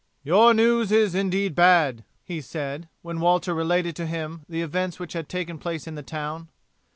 "Your news is indeed bad," he said, when Walter related to him the events which had taken place in the town.